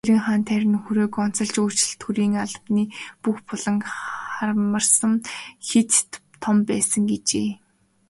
Цэрэнханд харин хүрээг онцолж, "өөрчлөлт төрийн албаны бүх буланг хамарсан хэт том байсан" гэжээ.